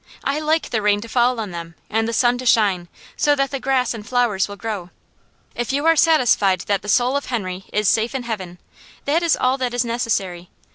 I like the rain to fall on them, and the sun to shine, so that the grass and flowers will grow. If you are satisfied that the soul of Henry is safe in Heaven, that is all that is necessary.